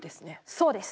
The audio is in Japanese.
そうです。